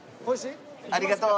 ありがとう。